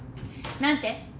何て？